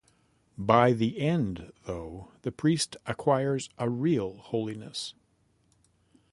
By the end, though, the priest acquires a real holiness.